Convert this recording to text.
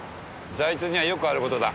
財津にはよくある事だ。